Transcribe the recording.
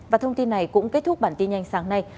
và thông tin này cũng kết thúc bản tin nhanh sáng nay